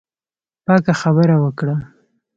پاکه خبره وکړه.